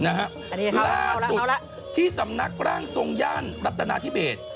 ล่าสุดที่สำนักร่างทรงย่านรัฐนาธิเบส